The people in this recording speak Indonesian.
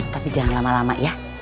tapi jangan lama lama ya